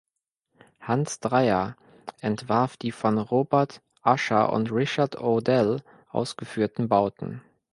Hans Dreier entwarf die von Robert Usher und Richard O’Dell ausgeführten Bauten.